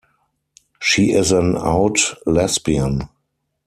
She is an out lesbian.